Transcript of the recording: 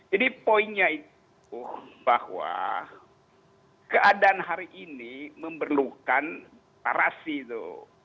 jadi poinnya itu bahwa keadaan hari ini memerlukan parasi itu